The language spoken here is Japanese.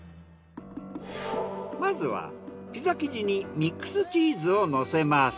まずはピザ生地にミックスチーズを乗せます。